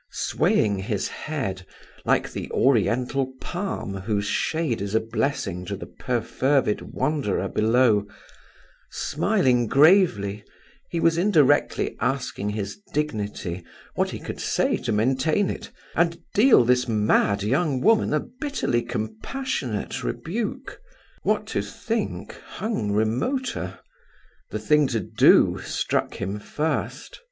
Swaying his head, like the oriental palm whose shade is a blessing to the perfervid wanderer below, smiling gravely, he was indirectly asking his dignity what he could say to maintain it and deal this mad young woman a bitterly compassionate rebuke. What to think, hung remoter. The thing to do struck him first.